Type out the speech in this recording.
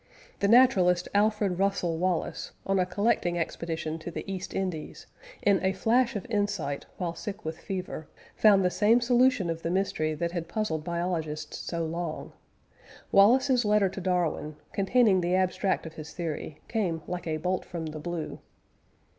The naturalist, Alfred Russell Wallace, on a collecting expedition in the East Indies, "in a flash of insight" while sick with fever, found the same solution of the mystery that had puzzled biologists so long. Wallace's letter to Darwin, containing the abstract of his theory, came "like a bolt from the blue."